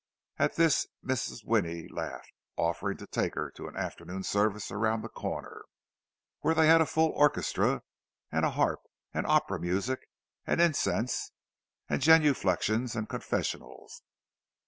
At this Mrs. Winnie laughed, offering to take her to an afternoon service around the corner, where they had a full orchestra, and a harp, and opera music, and incense and genuflexions and confessionals.